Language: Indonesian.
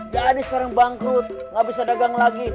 jadi sekarang bangkrut gak bisa dagang lagi